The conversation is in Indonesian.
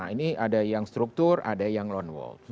ini ada yang struktur ada yang lone wolf